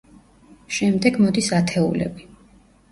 შემდეგ მოდის ათეულები.